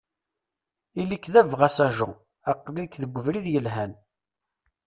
Ili-k d abɣas a Jean, aql-ik deg ubrid yelhan.